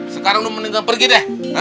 sekarang lu mendingan pergi deh